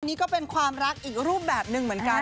นี่ก็เป็นความรักอีกรูปแบบหนึ่งเหมือนกัน